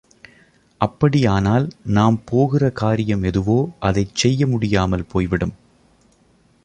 அப்படி ஆனால் நாம் போகிற காரியம் எதுவோ அதைச் செய்ய முடியாமல் போய்விடும்.